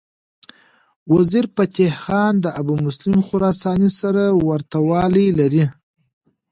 وزیرفتح خان د ابومسلم خراساني سره ورته والی لري.